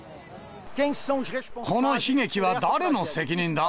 この悲劇は誰の責任だ？